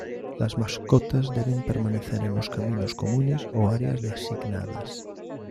Las mascotas deben permanecer en los caminos comunes o áreas designadas.